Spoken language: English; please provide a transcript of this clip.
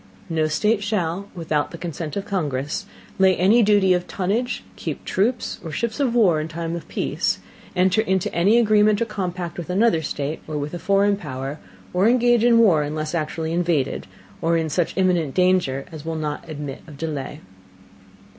No State shall, without the Consent of Congress, lay any Duty of Tonnage, keep Troops, or Ships of War in time of Peace, enter into any Agreement or Compact with another State, or with a foreign Power, or engage in War, unless actually invaded, or in such imminent Danger as will not admit of delay.